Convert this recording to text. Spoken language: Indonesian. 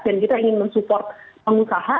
dan kita ingin mensupport pengusaha